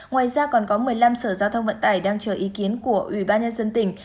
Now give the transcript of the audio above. ngoài ra còn có một mươi năm sở giao thông vận tải đang chờ ý kiến của ủy ban nhân dân tỉnh